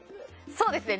そうですね。